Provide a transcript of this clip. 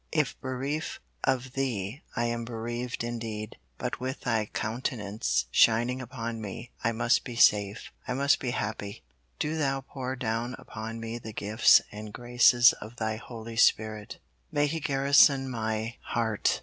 If bereft of Thee I am bereaved indeed. But with Thy countenance shining upon me, I must be safe, I must be happy. Do Thou pour down upon me the gifts and graces of Thy Holy Spirit. May he "garrison" my heart.